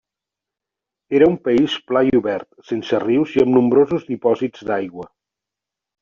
Era un país pla i obert, sense rius i amb nombrosos dipòsits d'aigua.